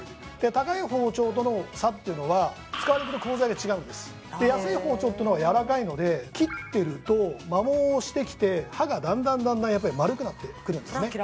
高い包丁との差っていうのは使われてる鋼材が違うんです安い包丁ってのはやわらかいので切ってると摩耗してきて刃がだんだんだんだん丸くなってくるんですね